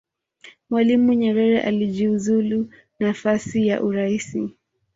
mwalimu nyerere alijiuzulu nafasi ya uraisi